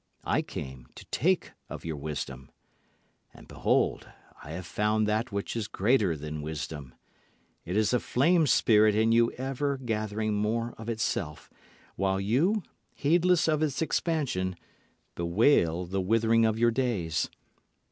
I came to take of your wisdom: And behold I have found that which is greater than wisdom. It is a flame spirit in you ever gathering more of itself, While you, heedless of its expansion, bewail the withering of your days.